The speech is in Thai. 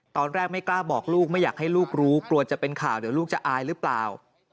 ตอนแรกไม่กล้าบอกลูกไม่อยากให้ลูกรู้กลัวจะเป็นข่าวเดี๋ยวลูกจะอายหรือเปล่า